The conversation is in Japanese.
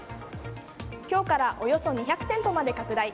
今日から、およそ２００店舗まで拡大。